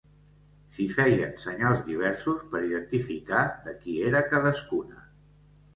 S'hi feien senyals diversos per identificar de qui era cadascuna.